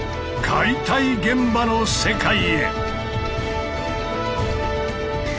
解体現場の世界へ！